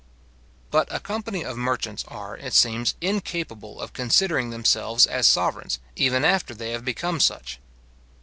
But a company of merchants, are, it seems, incapable of considering themselves as sovereigns, even after they have become such.